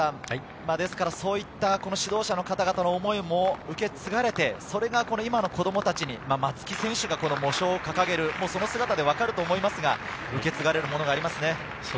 そういった指導者の方々の思いも受け継がれて、それが今の子供たちに松木選手が喪章を掲げる、その姿で分かると思いますが、受け継がれるものがありますね。